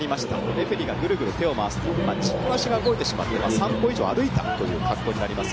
レフェリーがぐるぐると手を回すと軸足が動いてしまって、３歩以上歩いたという格好になります。